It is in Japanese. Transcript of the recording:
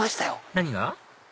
何が？